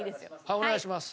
お願いします。